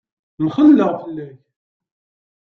Mxelleɣ fell-ak.